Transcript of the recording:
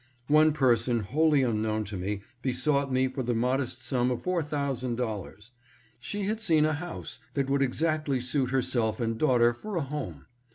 One person wholly unknown to me be sought me for the modest sum of four thousand dollars. She had seen a house that would exactly suit herself and daughter for a home.